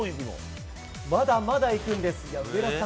まだまだいくんです。